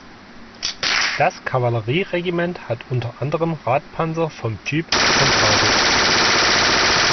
Das Kavallerieregiment hat unter anderem Radpanzer vom Typ „Centauro“.